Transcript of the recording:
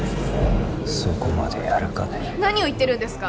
そこまでやるかね何を言ってるんですか？